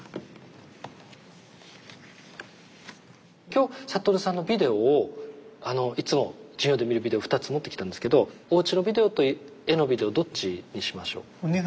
今日覚さんのビデオをいつも授業で見るビデオ２つ持ってきたんですけどおうちのビデオと絵のビデオどっちにしましょう？